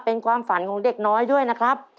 เป็นความฝันของเด็กน้อยด้วยนะครับ